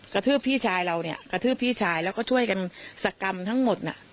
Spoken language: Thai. กระทืบพี่ชายเราเนี่ยกระทืบพี่ชายแล้วก็ช่วยกันสกรรมทั้งหมดน่ะ